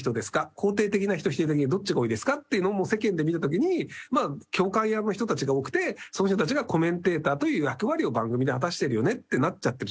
「肯定的な人否定的どっちが多いですか？」っていうのを世間で見た時にまあ共感屋の人たちが多くてその人たちがコメンテーターという役割を番組で果たしてるよねってなっちゃってるじゃないですか。